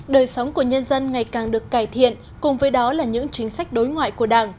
đời sống của nhân dân ngày càng được cải thiện cùng với đó là những chính sách đối ngoại của đảng